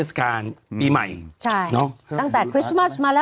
เพื่อนประจำแม่งแล้วก็จัดให้ยาวเลย